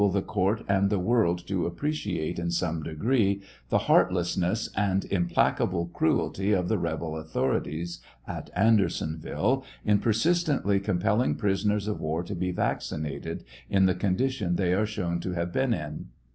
the court and the world to appreciate in some degree the heartlessness and im placable cruelty of the rebel authorities at Andersonville, in persistently com pelling prisoners of war to be vaccinated, in the condition they are shown to have been in.